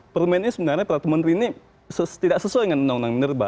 permainnya sebenarnya para pemerintah ini tidak sesuai dengan undang undang menerba